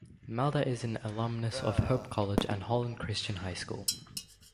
Malda is an alumnus of Hope College and Holland Christian High School.